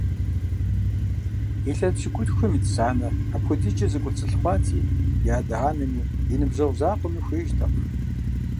Илъэс пщыкӏутхум ит Санэ апхуэдизкӀэ зэкӀуэцӀылъ хъуати, и адэ-анэми, и ныбжьэгъу закъуэми хуеижтэкъым.